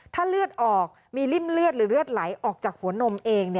ถ้าเลือดออกมีริ่มเลือดหรือเลือดไหลออกจากหัวนมเอง